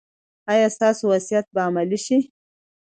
ایا ستاسو وصیت به عملي شي؟